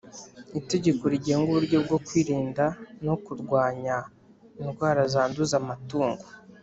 Itegeko rigenga uburyo bwo kwirinda no kurwanya indwara zanduza amatungo